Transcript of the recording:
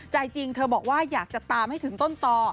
ใจจริงเธอบอกว่าอยากจะตามให้ถึงต้นต่อ